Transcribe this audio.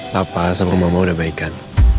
papa sama mama udah baik kan